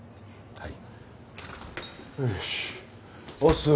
はい。